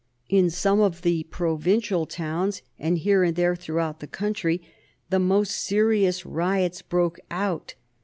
In some of the provincial towns, and here and there throughout the country, the most serious riots broke out.